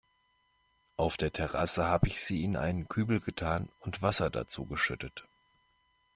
Auf der Terrasse hab ich sie in einen Kübel getan und Wasser dazu geschüttet.